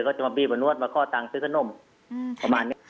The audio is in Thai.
ก็จะมาบี้มานวดมาข้อตังค์ซื้อขนมประมาณนี้